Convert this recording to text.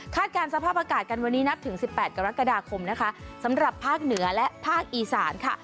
การสภาพอากาศกันวันนี้นับถึง๑๘กรกฎาคมนะคะสำหรับภาคเหนือและภาคอีสานค่ะ